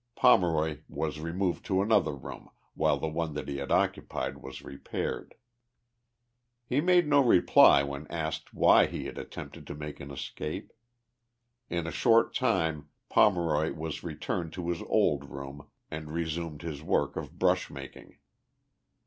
Pomeroy was removed to another room while the one that he had occupied was repaired. 72 THE LIFE OF JESSE HARDING POMEROY. lie made no reply when asked why he had attempted to make an escape. In a short time Pomeroy was returned to his old room and resumed his work of brush making.